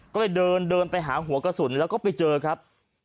ก็เลยเดินเดินไปหาหัวกระสุนแล้วก็ไปเจอครับ